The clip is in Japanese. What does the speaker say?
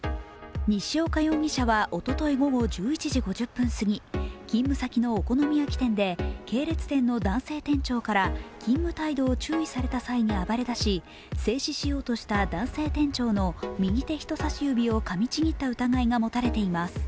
西岡容疑者はおととい午後１１時５０分すぎ、勤務先のお好み焼き店で系列店の男性店長から勤務態度を注意された際に暴れだし制止しようとした男性店長の右手人差し指をかみちぎった疑いが持たれています。